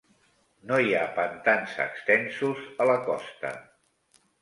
No hi ha pantans extensos a la costa.